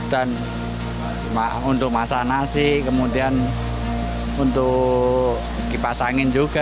dan untuk masak nasi kemudian untuk kipas angin juga